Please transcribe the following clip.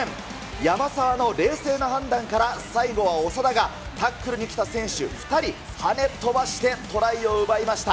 山沢の冷静な判断から最後は長田が、タックルにきた選手２人、はね飛ばしてトライを奪いました。